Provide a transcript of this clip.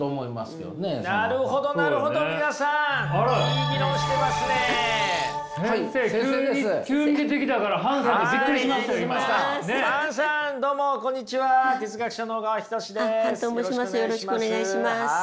よろしくお願いします。